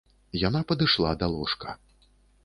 Яна падышла да ложка.